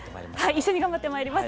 一緒に頑張ってまいります。